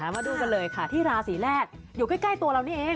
มาดูกันเลยค่ะที่ราศีแรกอยู่ใกล้ตัวเรานี่เอง